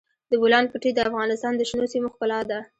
د بولان پټي د افغانستان د شنو سیمو ښکلا ده.